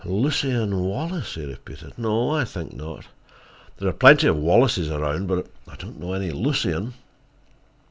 "Lucien Wallace?" he repeated. "No, I think not. There are plenty of Wallaces around, but I don't know any Lucien."